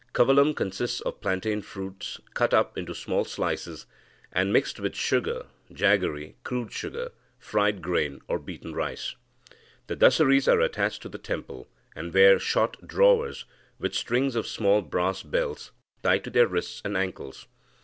Kavalam consists of plantain fruits cut up into small slices, and mixed with sugar, jaggery (crude sugar), fried grain, or beaten rice. The Dasaris are attached to the temple, and wear short drawers, with strings of small brass bells tied to their wrists and ankles.